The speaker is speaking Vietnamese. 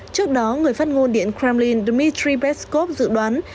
trước đó người phát ngôn điện kremlin dmitry peskov dự đoán